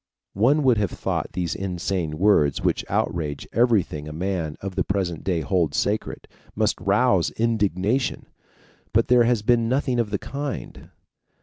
One would have thought these insane words, which outrage everything a man of the present day holds sacred, must rouse indignation. But there has been nothing of the kind.